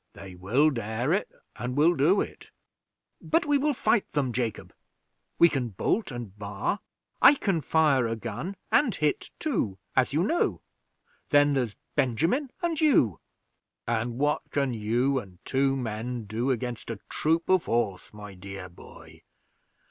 "They will dare it, and will do it." "But we will fight them, Jacob; we can bolt and bar; I can fire a gun, and hit too, as you know; then there's Benjamin and you." "And what can you and two men do against a troop of horse, my dear boy?